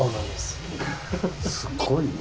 すごいね。